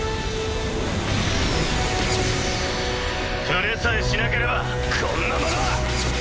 触れさえしなければこんなもの！